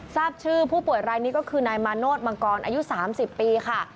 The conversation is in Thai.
ทราบชื่อผู้ป่วยรายนี้ก็คือนายมาโนธมังกรอายุ๓๐ปีค่ะ